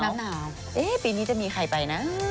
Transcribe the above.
หนาวปีนี้จะมีใครไปนะ